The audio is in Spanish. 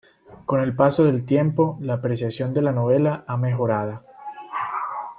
Con el paso del tiempo, la apreciación de la novela ha mejorada.